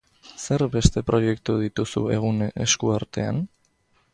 Zer beste proiektu dituzu egun esku artean?